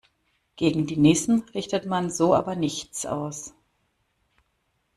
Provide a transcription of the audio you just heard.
Gegen die Nissen richtet man so aber nichts aus.